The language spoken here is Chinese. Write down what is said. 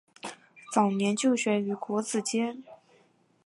早年就学于国子监。